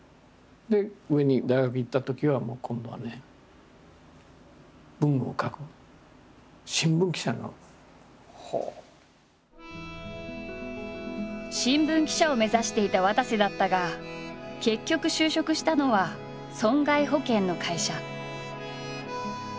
で大学行ったときはもう今度はね文を書く新聞記者を目指していたわたせだったが結局就職したのは損害保険の会社。